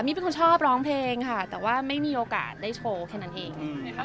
นี่เป็นคนชอบร้องเพลงค่ะแต่ว่าไม่มีโอกาสได้โชว์แค่นั้นเอง